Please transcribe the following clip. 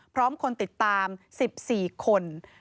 พร้อมคนติดตาม๑๔คน